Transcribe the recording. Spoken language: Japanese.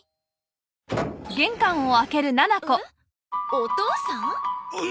お父さん！？